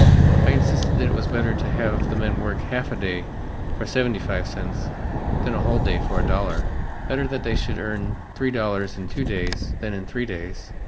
I insisted that it was better to have the men work half a day for seventy five cents than a whole day for a dollar, better that they should earn three dollars in two days than in three days.